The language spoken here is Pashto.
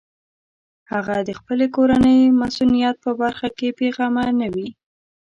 هغه د خپلې کورنۍ مصونیت په برخه کې بېغمه نه وي.